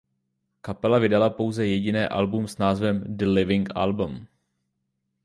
Kapela vydala pouze jediné album s názvem "The Living Album".